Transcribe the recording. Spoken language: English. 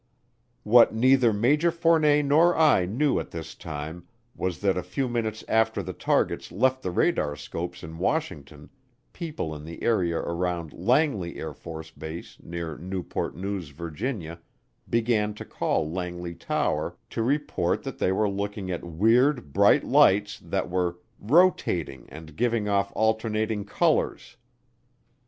What neither Major Fournet nor I knew at this time was that a few minutes after the targets left the radarscopes in Washington people in the area around Langley AFB near Newport News, Virginia, began to call Langley Tower to report that they were looking at weird bright lights that were "rotating and giving off alternating colors."